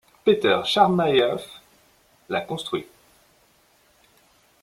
Peter Chermayeff l'a construit.